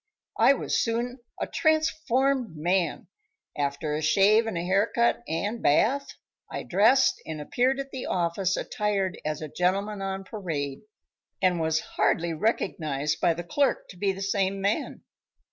I was soon a transformed man. After a shave and hair cut and bath, I dressed and appeared at the office attired as a gentleman on parade, and was hardly recognized by the clerk to be the same man.